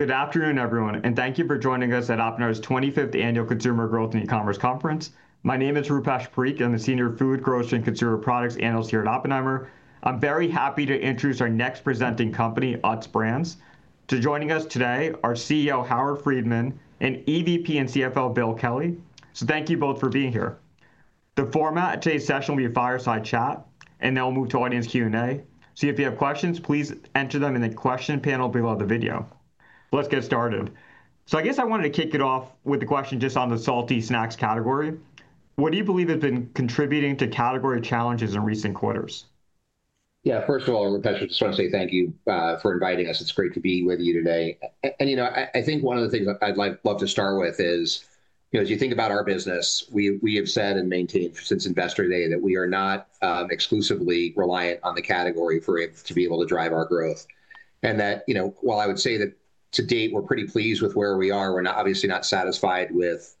Good afternoon, everyone, and thank you for joining us at Oppenheimer's 25th Annual Consumer Growth and E-commerce Conference. My name is Rupesh Parikh. I'm the Senior Food, Grocery, and Consumer Products Analyst here at Oppenheimer. I'm very happy to introduce our next presenting company, Utz Brands. Joining us today are CEO Howard Friedman, and EVP and CFO Bill Kelly. Thank you both for being here. The format of today's session will be a fireside chat, and then we'll move to audience Q&A. If you have questions, please enter them in the question panel below the video. Let's get started. I guess I wanted to kick it off with a question just on the salty snacks category. What do you believe has been contributing to category challenges in recent quarters? Yeah, first of all, Rupesh, I just want to say thank you for inviting us. It's great to be with you today. I think one of the things I'd love to start with is, as you think about our business, we have said and maintained since Investor Day that we are not exclusively reliant on the category for it to be able to drive our growth. While I would say that to date, we're pretty pleased with where we are, we're obviously not satisfied with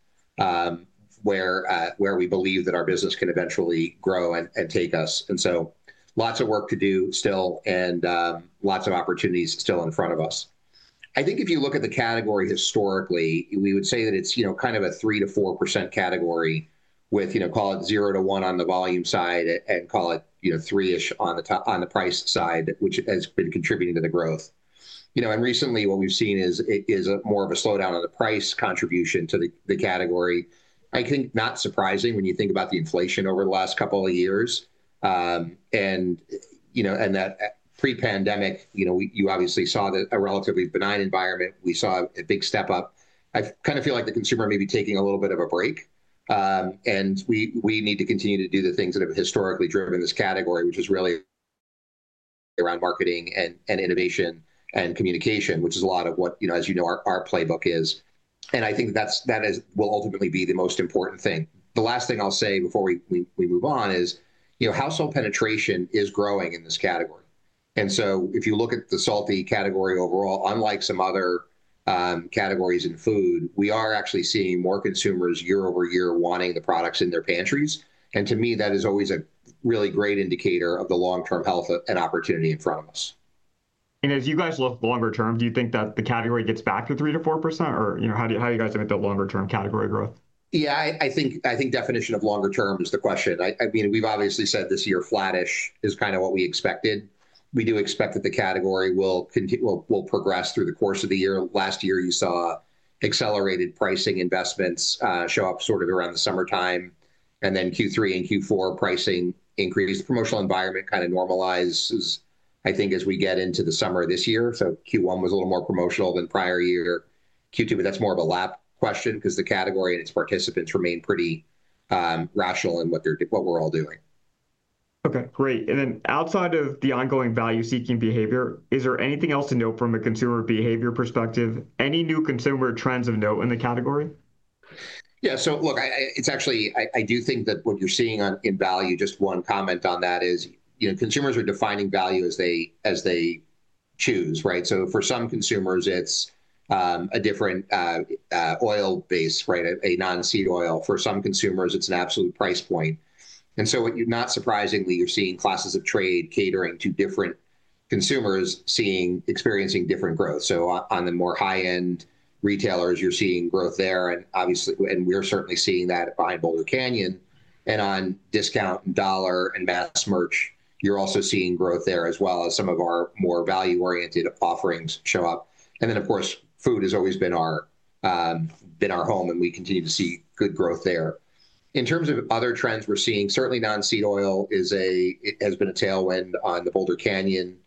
where we believe that our business can eventually grow and take us. Lots of work to do still and lots of opportunities still in front of us. I think if you look at the category historically, we would say that it's kind of a 3%-4% category with, call it 0%-1% on the volume side and call it 3%-ish on the price side, which has been contributing to the growth. Recently, what we've seen is more of a slowdown on the price contribution to the category. I think not surprising when you think about the inflation over the last couple of years. Pre-pandemic, you obviously saw a relatively benign environment. We saw a big step up. I kind of feel like the consumer may be taking a little bit of a break. We need to continue to do the things that have historically driven this category, which is really around marketing and innovation and communication, which is a lot of what, as you know, our playbook is. I think that will ultimately be the most important thing. The last thing I'll say before we move on is household penetration is growing in this category. If you look at the salty category overall, unlike some other categories in food, we are actually seeing more consumers year-over-year wanting the products in their pantries. To me, that is always a really great indicator of the long-term health and opportunity in front of us. As you guys look longer term, do you think that the category gets back to 3%-4%? Or how do you guys think the longer-term category growth? Yeah, I think definition of longer term is the question. I mean, we've obviously said this year flattish is kind of what we expected. We do expect that the category will progress through the course of the year. Last year, you saw accelerated pricing investments show up sort of around the summertime. Q3 and Q4 pricing increased. Promotional environment kind of normalizes, I think, as we get into the summer this year. Q1 was a little more promotional than prior year. Q2, but that's more of a lap question because the category and its participants remain pretty rational in what we're all doing. Okay, great. Outside of the ongoing value-seeking behavior, is there anything else to note from a consumer behavior perspective? Any new consumer trends of note in the category? Yeah, so look, it's actually, I do think that what you're seeing in value, just one comment on that is consumers are defining value as they choose, right? For some consumers, it's a different oil base, a non-seed oil. For some consumers, it's an absolute price point. Not surprisingly, you're seeing classes of trade catering to different consumers experiencing different growth. On the more high-end retailers, you're seeing growth there. We're certainly seeing that behind Boulder Canyon. On discount and dollar and mass merch, you're also seeing growth there as well as some of our more value-oriented offerings show up. Of course, food has always been in our home, and we continue to see good growth there. In terms of other trends we're seeing, certainly non-seed oil has been a tailwind on the Boulder Canyon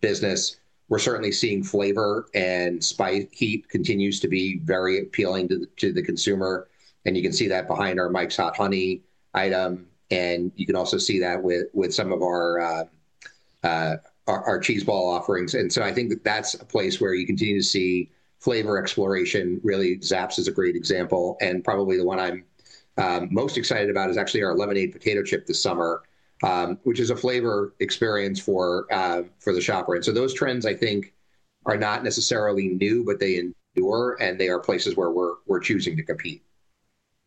business. We're certainly seeing flavor and spice heat continues to be very appealing to the consumer. You can see that behind our Mike's Hot Honey item. You can also see that with some of our Cheese Ball offerings. I think that that's a place where you continue to see flavor exploration. Really, Zapps is a great example. Probably the one I'm most excited about is actually our Lemonade Potato Chip this summer, which is a flavor experience for the shopper. Those trends, I think, are not necessarily new, but they endure, and they are places where we're choosing to compete.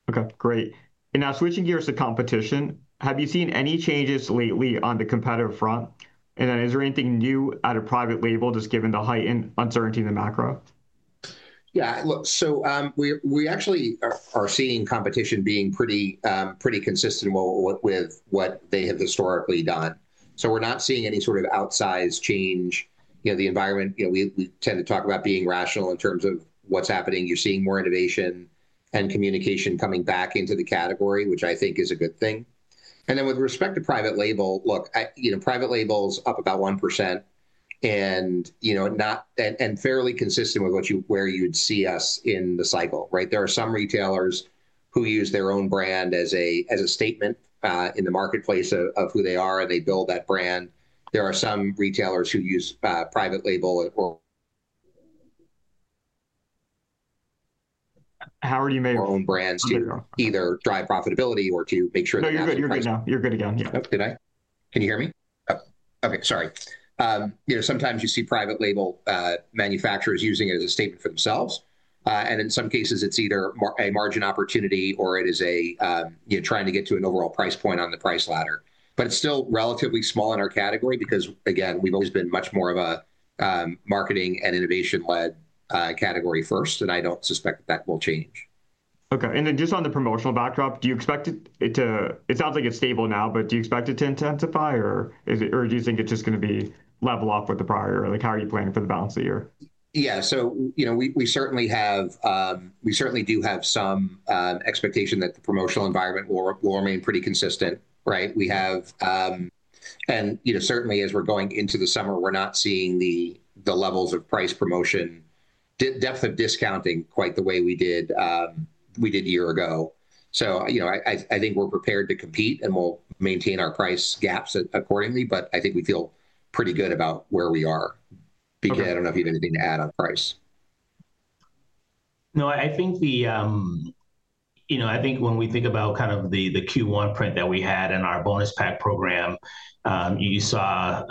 Okay, great. Now switching gears to competition, have you seen any changes lately on the competitive front? Is there anything new at private label just given the heightened uncertainty in the macro? Yeah, so we actually are seeing competition being pretty consistent with what they have historically done. We are not seeing any sort of outsized change. The environment, we tend to talk about being rational in terms of what is happening. You are seeing more innovation and communication coming back into the category, which I think is a good thing. Then with respect to private label, look, private label is up about 1% and fairly consistent with where you would see us in the cycle. There are some retailers who use their own brand as a statement in the marketplace of who they are, and they build that brand. There are some retailers who use private label Howard, you may. Own brands to either drive profitability or to make sure that. No, you're good. You're good now. You're good again. Did I? Can you hear me? Okay, sorry. Sometimes you see private label manufacturers using it as a statement for themselves. In some cases, it's either a margin opportunity or it is trying to get to an overall price point on the price ladder. It is still relatively small in our category because, again, we've always been much more of a marketing and innovation-led category first, and I don't suspect that that will change. Okay. Just on the promotional backdrop, do you expect it to, it sounds like it's stable now, but do you expect it to intensify or do you think it's just going to level off with the prior? How are you planning for the balance of the year? Yeah, so we certainly do have some expectation that the promotional environment will remain pretty consistent. Certainly, as we're going into the summer, we're not seeing the levels of price promotion, depth of discounting quite the way we did a year ago. I think we're prepared to compete and we'll maintain our price gaps accordingly, but I think we feel pretty good about where we are. B.K., I don't know if you have anything to add on price. No, I think when we think about kind of the Q1 print that we had in our bonus pack program, you saw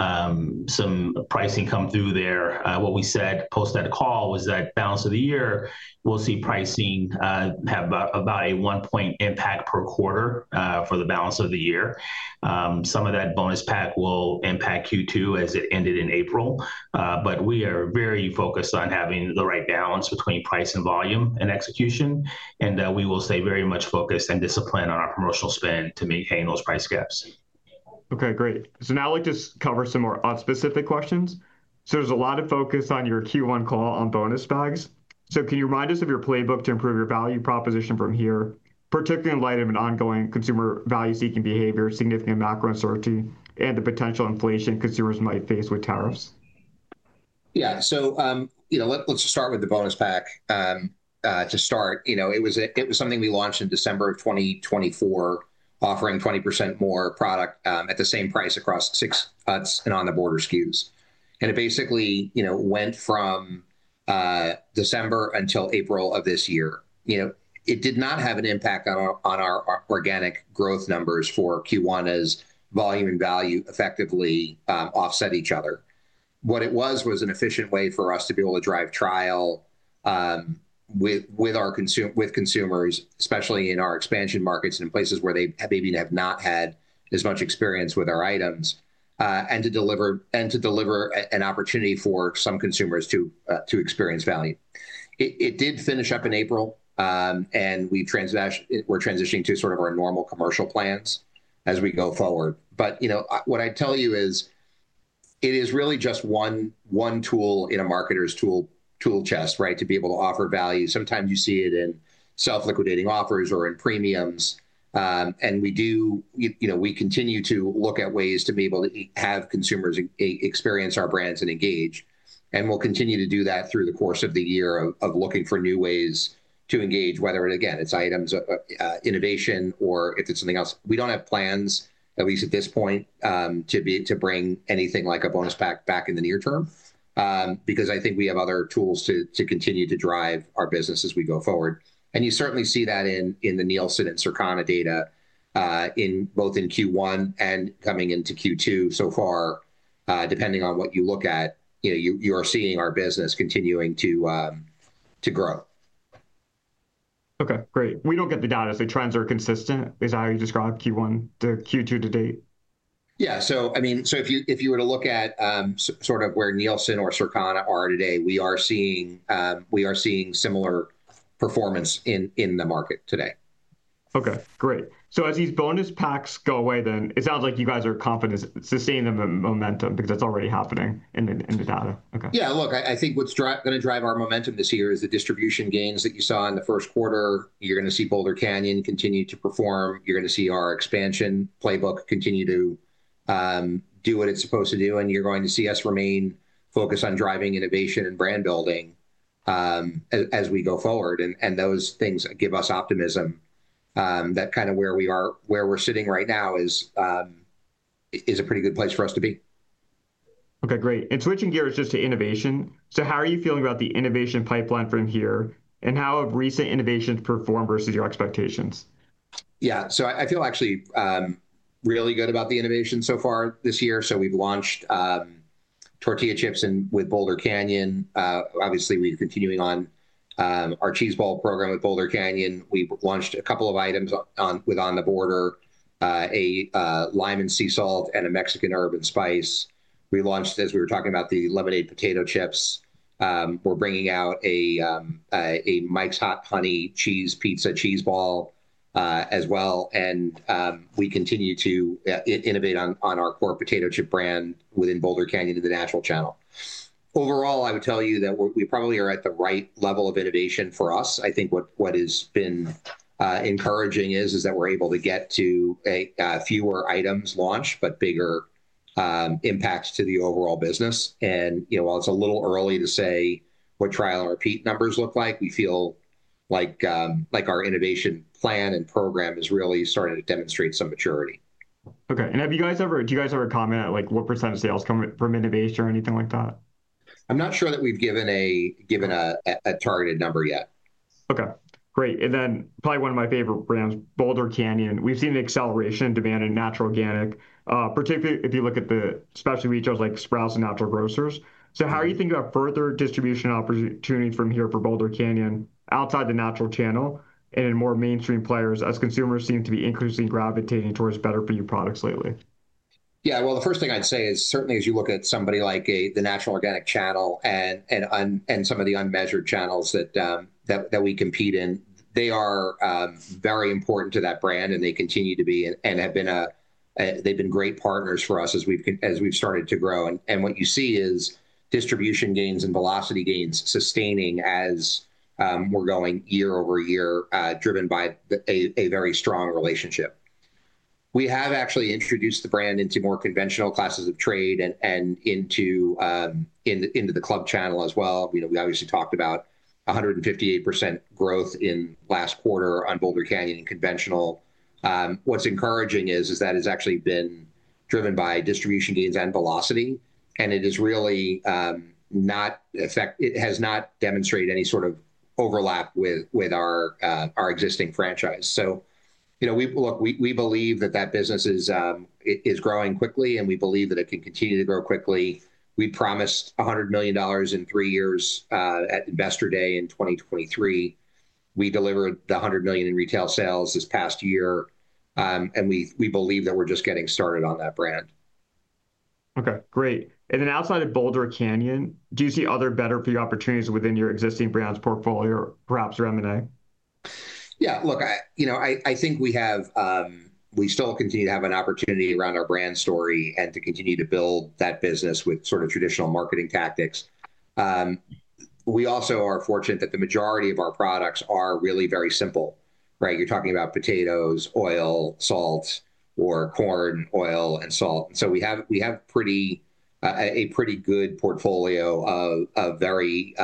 some pricing come through there. What we said post that call was that balance of the year, we'll see pricing have about a one-point impact per quarter for the balance of the year. Some of that bonus pack will impact Q2 as it ended in April. We are very focused on having the right balance between price and volume and execution. We will stay very much focused and disciplined on our promotional spend to maintain those price gaps. Okay, great. Now I'd like to cover some more Utz-specific questions. There's a lot of focus on your Q1 call on bonus bags. Can you remind us of your playbook to improve your value proposition from here, particularly in light of ongoing consumer value-seeking behavior, significant macro uncertainty, and the potential inflation consumers might face with tariffs? Yeah, so let's start with the bonus pack to start. It was something we launched in December of 2024, offering 20% more product at the same price across six Utz and On The Border SKUs. It basically went from December until April of this year. It did not have an impact on our organic growth numbers for Q1 as volume and value effectively offset each other. What it was was an efficient way for us to be able to drive trial with consumers, especially in our expansion markets and in places where they maybe have not had as much experience with our items, and to deliver an opportunity for some consumers to experience value. It did finish up in April, and we're transitioning to sort of our normal commercial plans as we go forward. What I'd tell you is it is really just one tool in a marketer's tool chest to be able to offer value. Sometimes you see it in self-liquidating offers or in premiums. We continue to look at ways to be able to have consumers experience our brands and engage. We'll continue to do that through the course of the year of looking for new ways to engage, whether it, again, it's items, innovation, or if it's something else. We do not have plans, at least at this point, to bring anything like a bonus pack back in the near term because I think we have other tools to continue to drive our business as we go forward. You certainly see that in the Nielsen and Circana data both in Q1 and coming into Q2 so far. Depending on what you look at, you are seeing our business continuing to grow. Okay, great. We don't get the data if the trends are consistent. Is that how you describe Q1 to Q2 to date? Yeah, so I mean, so if you were to look at sort of where Nielsen or Circana are today, we are seeing similar performance in the market today. Okay, great. As these bonus packs go away, then it sounds like you guys are confident sustaining the momentum because it's already happening in the data. Okay. Yeah, look, I think what's going to drive our momentum this year is the distribution gains that you saw in the first quarter. You're going to see Boulder Canyon continue to perform. You're going to see our expansion playbook continue to do what it's supposed to do. You're going to see us remain focused on driving innovation and brand building as we go forward. Those things give us optimism that kind of where we're sitting right now is a pretty good place for us to be. Okay, great. Switching gears just to innovation. How are you feeling about the innovation pipeline from here and how have recent innovations performed versus your expectations? Yeah, so I feel actually really good about the innovation so far this year. We’ve launched Tortilla Chips with Boulder Canyon. Obviously, we’re continuing on our Cheese Ball program with Boulder Canyon. We launched a couple of items with On The Border, a lime and sea salt, and a Mexican urban spice. We launched, as we were talking about, the Lemonade Potato Chips. We’re bringing out a Mike's Hot Honey Cheese Pizza Cheese Ball as well. We continue to innovate on our core potato chip brand within Boulder Canyon and the natural channel. Overall, I would tell you that we probably are at the right level of innovation for us. I think what has been encouraging is that we’re able to get to fewer items launched, but bigger impacts to the overall business. While it's a little early to say what trial and repeat numbers look like, we feel like our innovation plan and program has really started to demonstrate some maturity. Okay. Have you guys ever, do you guys ever comment at what percent of sales come from innovation or anything like that? I'm not sure that we've given a targeted number yet. Okay, great. Probably one of my favorite brands, Boulder Canyon. We've seen an acceleration in demand in natural organic, particularly if you look at the specialty retailers like Sprouts and Natural Grocers. How are you thinking about further distribution opportunities from here for Boulder Canyon outside the natural channel and in more mainstream players as consumers seem to be increasingly gravitating towards better-for-you products lately? Yeah, the first thing I'd say is certainly as you look at somebody like the natural organic channel and some of the unmeasured channels that we compete in, they are very important to that brand and they continue to be and have been great partners for us as we've started to grow. What you see is distribution gains and velocity gains sustaining as we're going year over year, driven by a very strong relationship. We have actually introduced the brand into more conventional classes of trade and into the club channel as well. We obviously talked about 158% growth in last quarter on Boulder Canyon and conventional. What's encouraging is that it's actually been driven by distribution gains and velocity. It has not demonstrated any sort of overlap with our existing franchise. Look, we believe that that business is growing quickly, and we believe that it can continue to grow quickly. We promised $100 million in three years at Investor Day in 2023. We delivered the $100 million in retail sales this past year. We believe that we're just getting started on that brand. Okay, great. Outside of Boulder Canyon, do you see other better-for-you opportunities within your existing brands portfolio, perhaps your M&A? Yeah, look, I think we still continue to have an opportunity around our brand story and to continue to build that business with sort of traditional marketing tactics. We also are fortunate that the majority of our products are really very simple. You're talking about potatoes, oil, salt, or corn, oil, and salt. We have a pretty good portfolio of very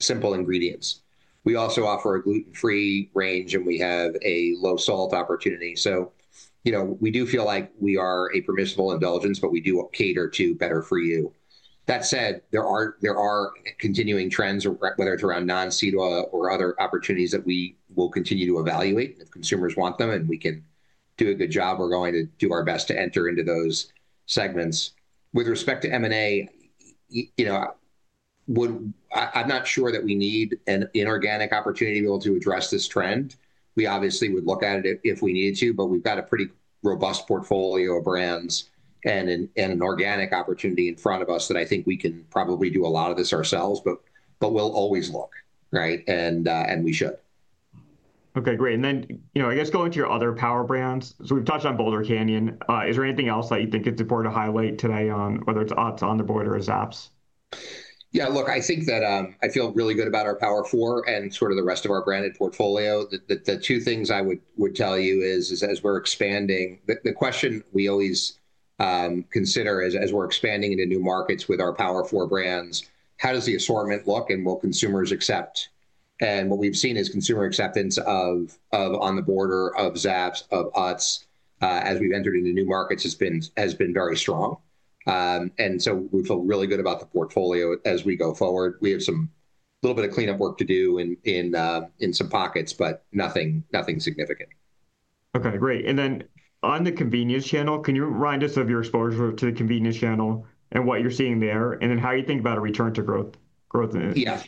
simple ingredients. We also offer a gluten-free range, and we have a low-salt opportunity. We do feel like we are a permissible indulgence, but we do cater to better-for-you. That said, there are continuing trends, whether it's around non-seed oil or other opportunities that we will continue to evaluate if consumers want them, and we can do a good job. We're going to do our best to enter into those segments. With respect to M&A, I'm not sure that we need an inorganic opportunity to be able to address this trend. We obviously would look at it if we needed to, but we've got a pretty robust portfolio of brands and an organic opportunity in front of us that I think we can probably do a lot of this ourselves, but we'll always look, and we should. Okay, great. I guess going to your other power brands, so we've touched on Boulder Canyon. Is there anything else that you think is important to highlight today on whether it's Utz, On The Border, or Zapp's? Yeah, look, I think that I feel really good about our Power Four and sort of the rest of our branded portfolio. The two things I would tell you is as we're expanding, the question we always consider is as we're expanding into new markets with our Power Four brands, how does the assortment look and will consumers accept? What we've seen is consumer acceptance of On the Border, of Zapp's, of Utz as we've entered into new markets has been very strong. We feel really good about the portfolio as we go forward. We have a little bit of cleanup work to do in some pockets, but nothing significant. Okay, great. And then on the convenience channel, can you remind us of your exposure to the convenience channel and what you're seeing there, and then how you think about a return to growth in that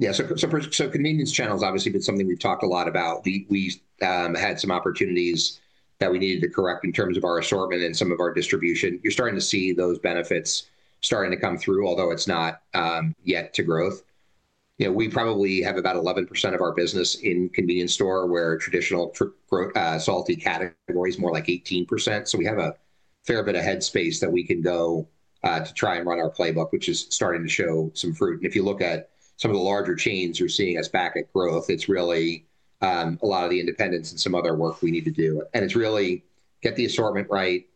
channel? Yeah, so convenience channel has obviously been something we've talked a lot about. We had some opportunities that we needed to correct in terms of our assortment and some of our distribution. You're starting to see those benefits starting to come through, although it's not yet to growth. We probably have about 11% of our business in convenience store where traditional salty categories, more like 18%. So we have a fair bit of headspace that we can go to try and run our playbook, which is starting to show some fruit. If you look at some of the larger chains, you're seeing us back at growth. It's really a lot of the independents and some other work we need to do. It is really get the assortment right,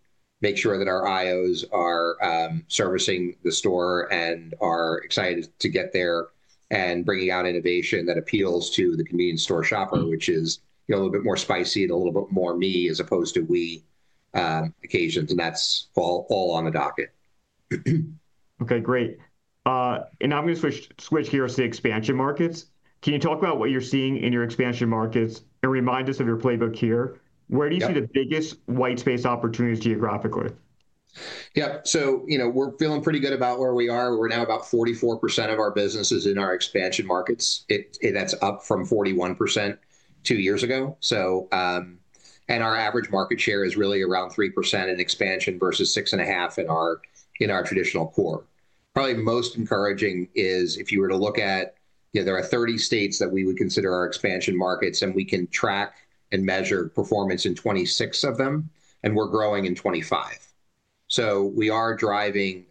make sure that our IOs are servicing the store and are excited to get there and bringing out innovation that appeals to the convenience store shopper, which is a little bit more spicy and a little bit more me, as opposed to we occasions. That is all on the docket. Okay, great. Now I'm going to switch gears to expansion markets. Can you talk about what you're seeing in your expansion markets and remind us of your playbook here? Where do you see the biggest white space opportunities geographically? Yeah, so we're feeling pretty good about where we are. We're now about 44% of our business is in our expansion markets. That's up from 41% two years ago. And our average market share is really around 3% in expansion versus 6.5% in our traditional core. Probably most encouraging is if you were to look at, there are 30 states that we would consider our expansion markets, and we can track and measure performance in 26 of them, and we're growing in 25. We are driving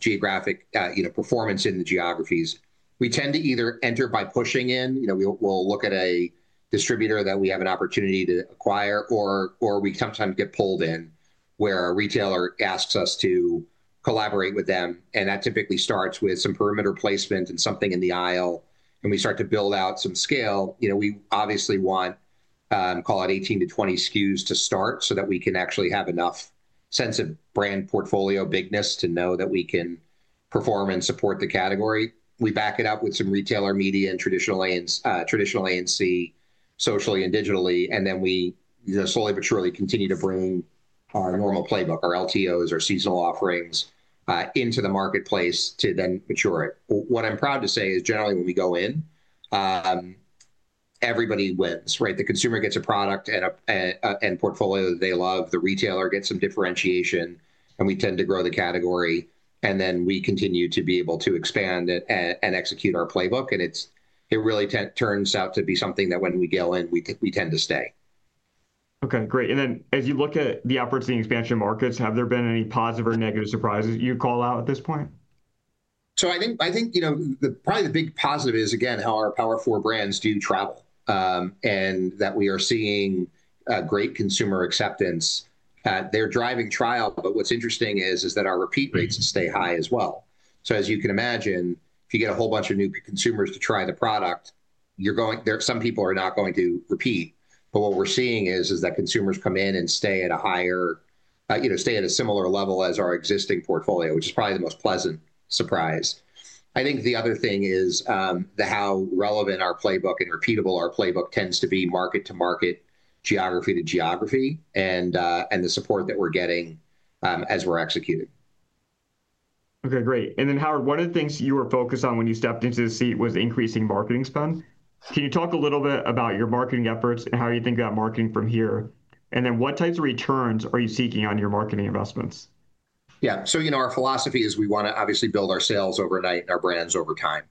geographic performance in the geographies. We tend to either enter by pushing in. We'll look at a distributor that we have an opportunity to acquire, or we sometimes get pulled in where a retailer asks us to collaborate with them. That typically starts with some perimeter placement and something in the aisle, and we start to build out some scale. We obviously want, call it 18-20 SKUs to start so that we can actually have enough sense of brand portfolio bigness to know that we can perform and support the category. We back it up with some retailer media and traditional A&C socially and digitally. Then we slowly but surely continue to bring our normal playbook, our LTOs, our seasonal offerings into the marketplace to then mature it. What I'm proud to say is generally when we go in, everybody wins. The consumer gets a product and portfolio that they love. The retailer gets some differentiation, and we tend to grow the category, and then we continue to be able to expand and execute our playbook, and it really turns out to be something that when we go in, we tend to stay. Okay, great. As you look at the opportunity expansion markets, have there been any positive or negative surprises you call out at this point? I think probably the big positive is, again, how our Power Four brands do travel and that we are seeing great consumer acceptance. They're driving trial, but what's interesting is that our repeat rates stay high as well. As you can imagine, if you get a whole bunch of new consumers to try the product, some people are not going to repeat. What we're seeing is that consumers come in and stay at a similar level as our existing portfolio, which is probably the most pleasant surprise. I think the other thing is how relevant our playbook and repeatable our playbook tends to be market to market, geography to geography, and the support that we're getting as we're executing. Okay, great. Howard, one of the things you were focused on when you stepped into the seat was increasing marketing spend. Can you talk a little bit about your marketing efforts and how you think about marketing from here? What types of returns are you seeking on your marketing investments? Yeah, so our philosophy is we want to obviously build our sales overnight and our brands over time.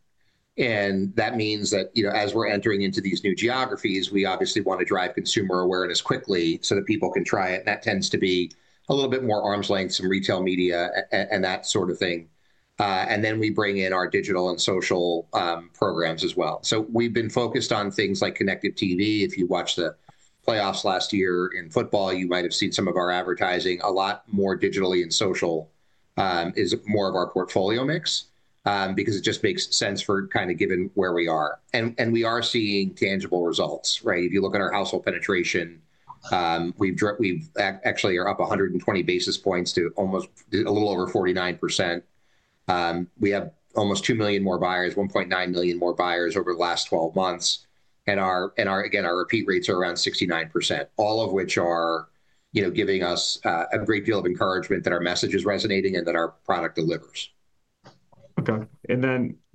That means that as we're entering into these new geographies, we obviously want to drive consumer awareness quickly so that people can try it. That tends to be a little bit more arm's length, some retail media and that sort of thing. We bring in our digital and social programs as well. We've been focused on things like connected TV. If you watched the playoffs last year in football, you might have seen some of our advertising. A lot more digitally and social is more of our portfolio mix because it just makes sense for kind of given where we are. We are seeing tangible results. If you look at our household penetration, we actually are up 120 basis points to almost a little over 49%. We have almost 2 million more buyers, 1.9 million more buyers over the last 12 months. Our repeat rates are around 69%, all of which are giving us a great deal of encouragement that our message is resonating and that our product delivers. Okay.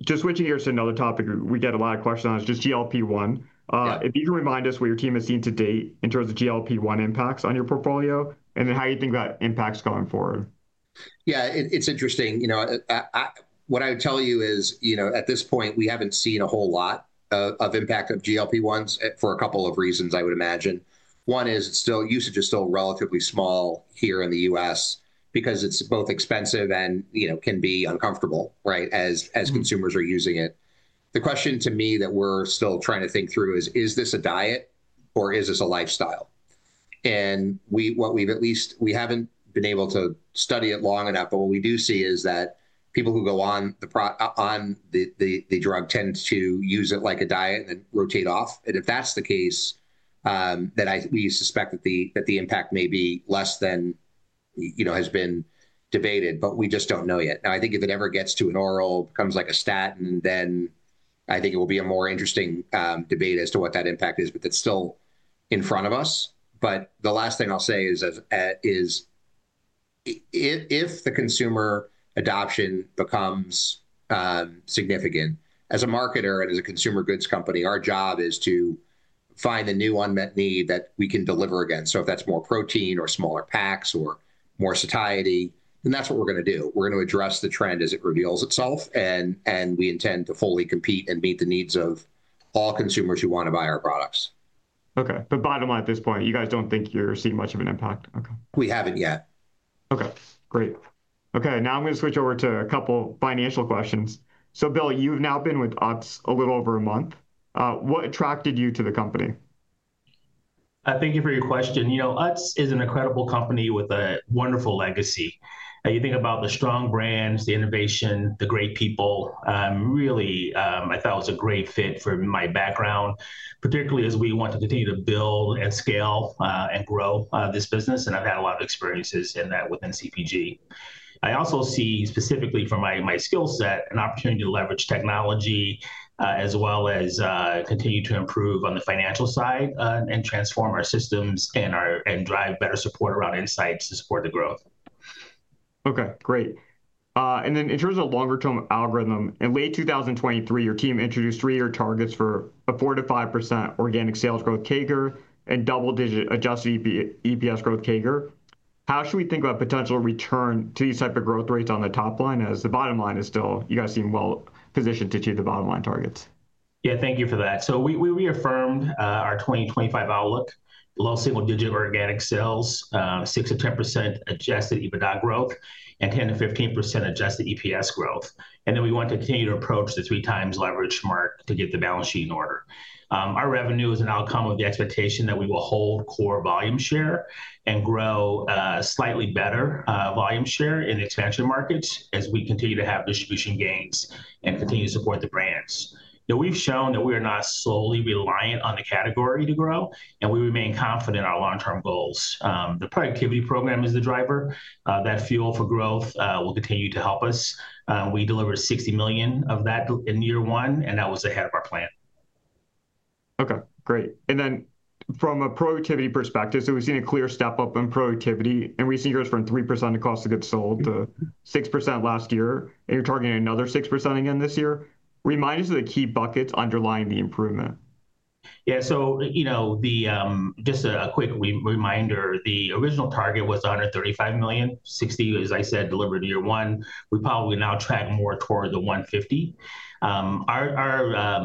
Just switching gears to another topic, we get a lot of questions on this, just GLP-1. If you can remind us what your team has seen to date in terms of GLP-1 impacts on your portfolio and then how you think that impacts going forward. Yeah, it's interesting. What I would tell you is at this point, we haven't seen a whole lot of impact of GLP-1s for a couple of reasons, I would imagine. One is usage is still relatively small here in the U.S. because it's both expensive and can be uncomfortable as consumers are using it. The question to me that we're still trying to think through is, is this a diet or is this a lifestyle? And what we've at least, we haven't been able to study it long enough, but what we do see is that people who go on the drug tend to use it like a diet and then rotate off. If that's the case, then we suspect that the impact may be less than has been debated, but we just don't know yet. Now, I think if it ever gets to an oral, becomes like a statin, then I think it will be a more interesting debate as to what that impact is, but that's still in front of us. The last thing I'll say is if the consumer adoption becomes significant, as a marketer and as a consumer goods company, our job is to find a new unmet need that we can deliver again. If that's more protein or smaller packs or more satiety, then that's what we're going to do. We're going to address the trend as it reveals itself, and we intend to fully compete and meet the needs of all consumers who want to buy our products. Okay. But bottom line at this point, you guys don't think you're seeing much of an impact? We haven't yet. Okay. Great. Okay. Now I'm going to switch over to a couple of financial questions. So, Bill, you've now been with Utz a little over a month. What attracted you to the company? Thank you for your question. Utz is an incredible company with a wonderful legacy. You think about the strong brands, the innovation, the great people. Really, I thought it was a great fit for my background, particularly as we want to continue to build and scale and grow this business. I've had a lot of experiences in that within CPG. I also see specifically for my skill set, an opportunity to leverage technology as well as continue to improve on the financial side and transform our systems and drive better support around insights to support the growth. Okay. Great. In terms of longer-term algorithm, in late 2023, your team introduced three-year targets for a 4%-5% organic sales growth CAGR and double-digit adjusted EPS growth CAGR. How should we think about potential return to these types of growth rates on the top line as the bottom line is still, you guys seem well-positioned to achieve the bottomline targets? Yeah, thank you for that. We reaffirmed our 2025 outlook, low single-digit organic sales, 6%-10% adjusted EBITDA growth, and 10%-15% adjusted EPS growth. We want to continue to approach the three-times leverage mark to get the balance sheet in order. Our revenue is an outcome of the expectation that we will hold core volume share and grow slightly better volume share in expansion markets as we continue to have distribution gains and continue to support the brands. We've shown that we are not solely reliant on the category to grow, and we remain confident in our long-term goals. The productivity program is the driver. That fuel for growth will continue to help us. We delivered $60 million of that in year one, and that was ahead of our plan. Okay. Great. From a productivity perspective, we've seen a clear step up in productivity in recent years from 3% across the goods sold to 6% last year, and you're targeting another 6% again this year. Remind us of the key buckets underlying the improvement. Yeah. So just a quick reminder, the original target was $135 million, $60 million, as I said, delivered in year one. We probably now track more toward the $150 million. Our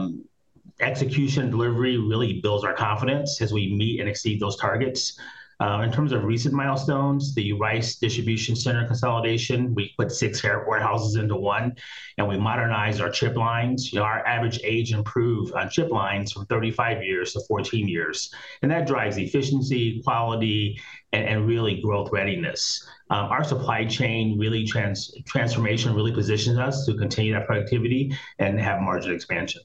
execution delivery really builds our confidence as we meet and exceed those targets. In terms of recent milestones, the Rice Distribution Center consolidation, we put six warehouses into one, and we modernized our chip lines. Our average age improved on chip lines from 35 years to 14 years. That drives efficiency, quality, and really growth readiness. Our supply chain transformation really positions us to continue that productivity and have margin expansion.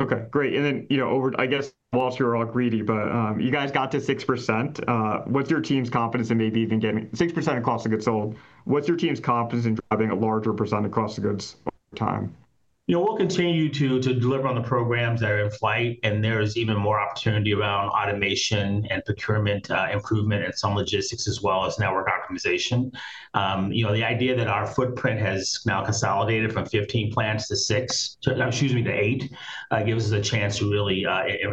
Okay. Great. Over, I guess, while you're all greedy, but you guys got to 6% of cost of goods sold What's your team's confidence in driving a larger percent of cost-of-goods time? We'll continue to deliver on the programs that are in flight, and there is even more opportunity around automation and procurement improvement and some logistics as well as network optimization. The idea that our footprint has now consolidated from 15 plants to 8, gives us a chance to really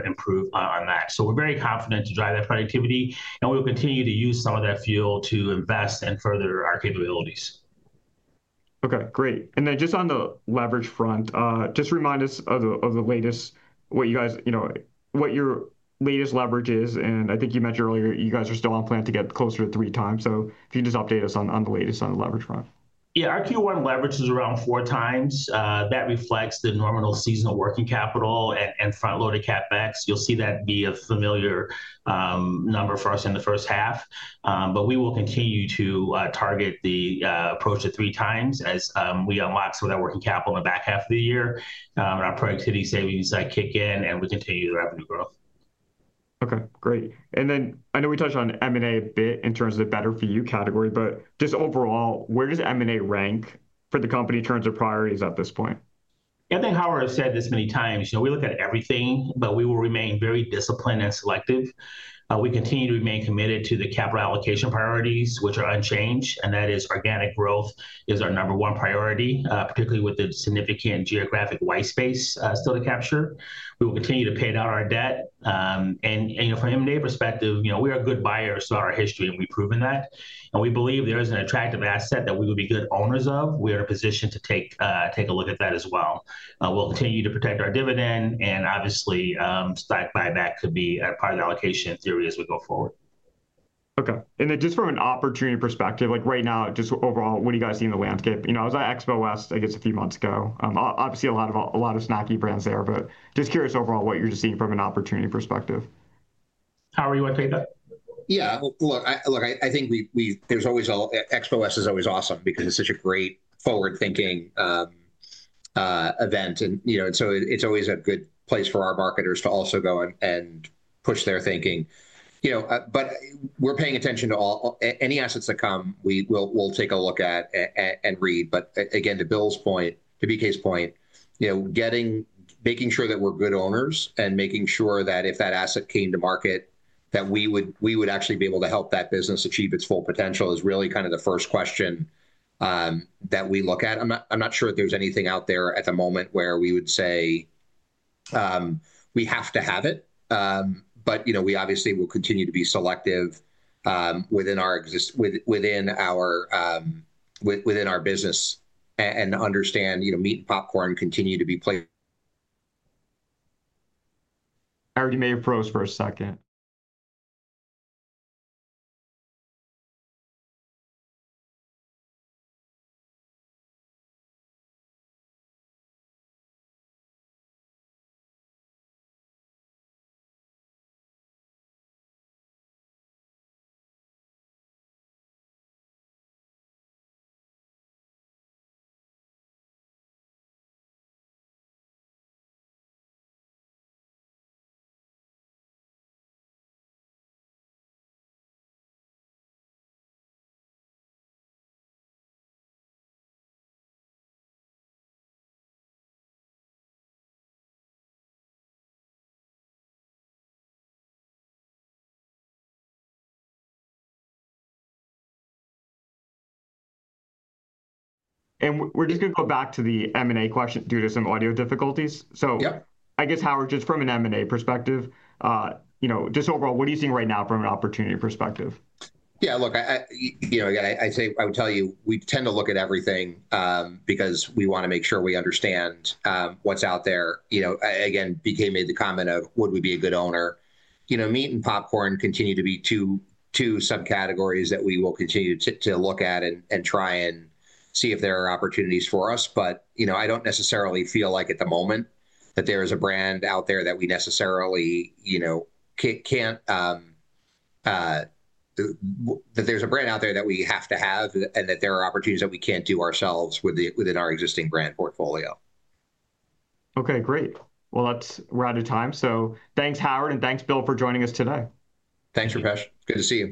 improve on that. We are very confident to drive that productivity, and we'll continue to use some of that fuel to invest and further our capabilities. Okay. Great. Just on the leverage front, just remind us of the latest, what your latest leverage is. I think you mentioned earlier, you guys are still on plan to get closer to three times. If you can just update us on the latest on the leverage front. Yeah. Our Q1 leverage is around four times. That reflects the normal seasonal working capital and front-loaded CapEx. You'll see that be a familiar number for us in the first half. We will continue to target the approach to three times as we unlock some of that working capital in the back half of the year. Our productivity savings kick in, and we continue the revenue growth. Okay. Great. I know we touched on M&A a bit in terms of the better-for-you category, but just overall, where does M&A rank for the company in terms of priorities at this point? I think Howard has said this many times. We look at everything, but we will remain very disciplined and selective. We continue to remain committed to the capital allocation priorities, which are unchanged. That is, organic growth is our number one priority, particularly with the significant geographic white space still to capture. We will continue to pay down our debt. From an M&A perspective, we are good buyers throughout our history, and we have proven that. We believe if there is an attractive asset that we would be good owners of, we are in a position to take a look at that as well. We will continue to protect our dividend, and obviously, buyback could be part of the allocation theory as we go forward. Okay. And then just from an opportunity perspective, right now, just overall, what are you guys seeing in the landscape? I was at Expo West, I guess, a few months ago. Obviously, a lot of snacky brands there, but just curious overall what you're just seeing from an opportunity perspective. Howard, you want to take that? Yeah. Look, I think there's always Expo West is always awesome because it's such a great forward-thinking event. It is always a good place for our marketers to also go and push their thinking. We are paying attention to any assets that come. We will take a look at and read. Again, to Bill's point, to B.K.'s point, making sure that we're good owners and making sure that if that asset came to market, that we would actually be able to help that business achieve its full potential is really kind of the first question that we look at. I'm not sure if there's anything out there at the moment where we would say we have to have it. We obviously will continue to be selective within our business and understand meat and popcorn continue to be played Howard, may have froze for a second. We are just going to go back to the M&A question due to some audio difficulties. I guess, Howard, just from an M&A perspective, just overall, what are you seeing right now from an opportunity perspective? Yeah. Look, I would tell you, we tend to look at everything because we want to make sure we understand what's out there. Again, B.K. made the comment of, "Would we be a good owner?" Meat and popcorn continue to be two subcategories that we will continue to look at and try and see if there are opportunities for us. I don't necessarily feel like at the moment that there is a brand out there that we necessarily can't—that there's a brand out there that we have to have and that there are opportunities that we can't do ourselves within our existing brand portfolio. Okay. Great. We're out of time. Thanks, Howard, and thanks, Bill, for joining us today. Thanks, Rupesh. Good to see you.